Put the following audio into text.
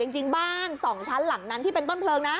จริงบ้าน๒ชั้นหลังนั้นที่เป็นต้นเพลิงนะ